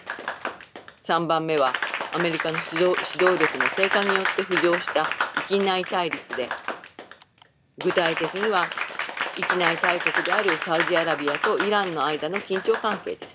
３番目はアメリカの指導力の低下によって浮上した域内対立で具体的には域内大国であるサウジアラビアとイランの間の緊張関係です。